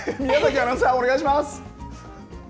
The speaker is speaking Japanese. アナウンサー、お願いします。